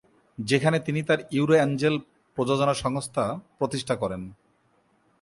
যেখানে তিনি তার ইউরো অ্যাঞ্জেল প্রযোজনা সংস্থা প্রতিষ্ঠা করেন।